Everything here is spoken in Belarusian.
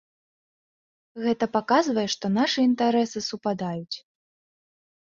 Гэта паказвае, што нашы інтарэсы супадаюць.